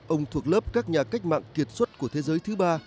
ông thuộc lớp các nhà cách mạng kiệt xuất của thế giới thứ ba